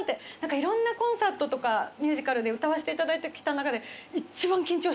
いろんなコンサートとかミュージカルで歌わせていただいてきた中で。